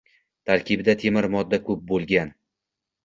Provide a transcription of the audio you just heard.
Tarkibida temir modda ko'p bo'lgan.